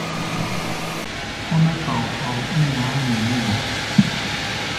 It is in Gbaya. Kɔ́-mɛ́ pao-pao ín ǎmʼɛ nɛ́ ge?